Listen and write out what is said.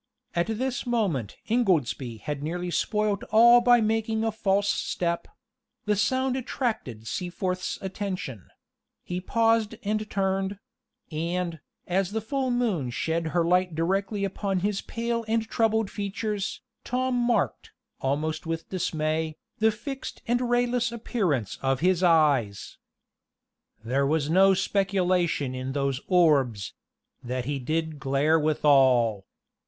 At this moment Ingoldsby had nearly spoiled all by making a false step: the sound attracted Seaforth's attention he paused and turned; and, as the full moon shed her light directly upon his pale and troubled features, Tom marked, almost with dismay, the fixed and rayless appearance of his eyes: There was no speculation in those orbs That he did glare withal.